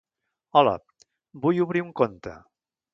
Hola, vull obrir un compte.